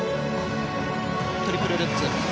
トリプルルッツ。